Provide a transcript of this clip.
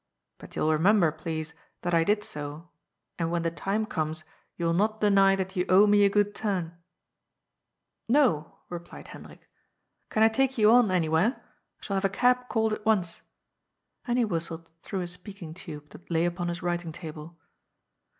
But you'll remember, please, that I did so, and when the time comes, you'll not deny that you owe me a good turn ?" "No," replied Hendrik. "Can I take you on any where? I shall have a cab called at once." And he whistled through a speaking tube that lay upon his writing table.